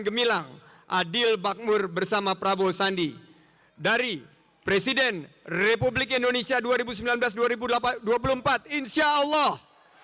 gemilang adil bakmur bersama prabowo sandi dari presiden republik indonesia dua ribu sembilan belas dua ribu dua puluh empat insyaallah